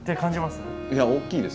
いや大きいです。